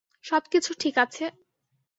সবকিছু ঠিক আছে!